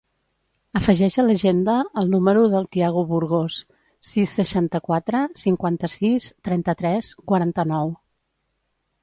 Afegeix a l'agenda el número del Thiago Burgos: sis, seixanta-quatre, cinquanta-sis, trenta-tres, quaranta-nou.